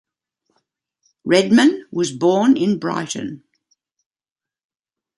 Redman was born in Brighton.